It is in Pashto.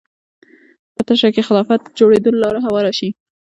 په تشه کې خلافت جوړېدو لاره هواره شي